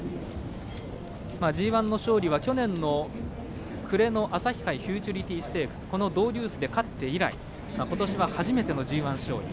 ＧＩの勝利は去年の暮れの朝日杯フューチュリティステークスで勝って以来ことしは初めてのＧＩ勝利